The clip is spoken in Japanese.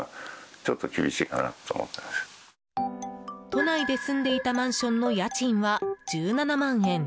都内で住んでいたマンションの家賃は１７万円。